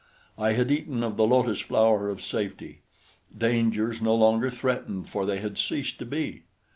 I had eaten of the lotus flower of safety; dangers no longer threatened for they had ceased to be.